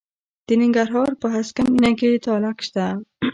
د ننګرهار په هسکه مینه کې تالک شته.